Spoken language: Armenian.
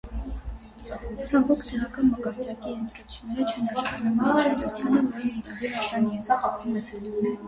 Ցավոք, տեղական մակարդակի ընտրությունները չեն արժանանում այն ուշադրությանը, որին հիրավի արժանի են: